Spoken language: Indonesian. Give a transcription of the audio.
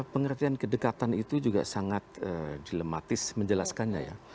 pengertian kedekatan itu juga sangat dilematis menjelaskannya ya